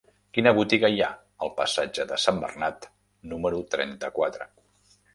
Quina botiga hi ha al passatge de Sant Bernat número trenta-quatre?